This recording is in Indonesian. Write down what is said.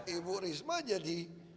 ibu risma jadi